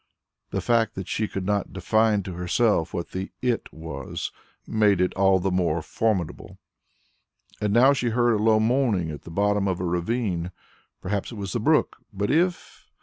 The fact that she could not define to herself what the "it" was, made it all the more formidable. And now she heard a low moaning at the bottom of the ravine. Perhaps it was the brook, but if...?